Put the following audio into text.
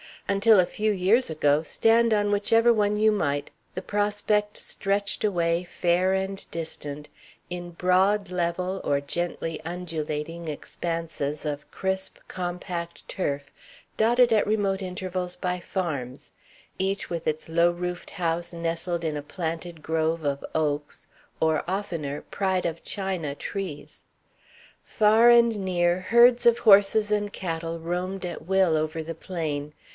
Until a few years ago, stand on whichever one you might, the prospect stretched away, fair and distant, in broad level or gently undulating expanses of crisp, compact turf, dotted at remote intervals by farms, each with its low roofed house nestled in a planted grove of oaks, or, oftener, Pride of China trees. Far and near herds of horses and cattle roamed at will over the plain.